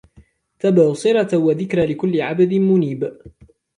تبصرة وذكرى لكل عبد منيب